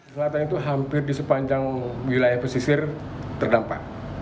selatan itu hampir di sepanjang wilayah pesisir terdampak